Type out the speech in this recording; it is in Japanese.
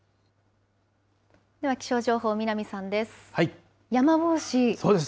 では気象情報、南さんです。